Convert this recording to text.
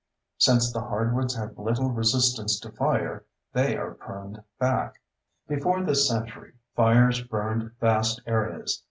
Since the hardwoods have little resistance to fire, they are pruned back. Before this century, fires burned vast areas.